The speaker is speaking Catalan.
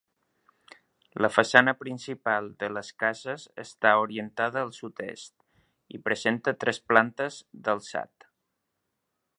La façana principal de les cases està orientada al sud-est i presenta tres plantes d'alçat.